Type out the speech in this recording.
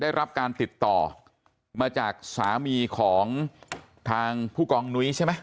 ได้รับการติดต่อมาจากสามีของทางผู้กองนุ้ยใช่ไหม